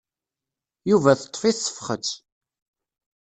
Yuba teṭṭef-it tefxet.